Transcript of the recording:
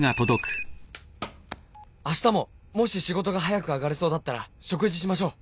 「明日ももし仕事が早く上がれそうだったら食事しましょう！